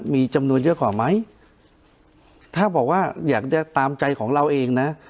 มีจำนวนเยอะกว่าไหมถ้าบอกว่าอยากจะตามใจของเราเองนะ